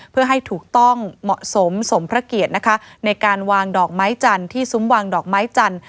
เพื่อให้ถูกต้องเหมาะสมสมพระเกียรตินะคะในการวางดอกไม้จันทร์ที่ซุ้มวางดอกไม้จันทร์